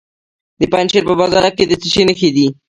د پنجشیر په بازارک کې د څه شي نښې دي؟